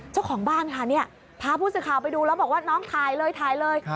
เจ้าของบ้านค่ะเนี่ยพาผู้สื่อข่าวไปดูแล้วบอกว่าน้องถ่ายเลยถ่ายเลย